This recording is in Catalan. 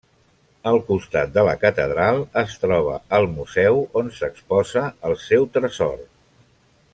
Al costat de la catedral es troba el museu on s'exposa el seu tresor.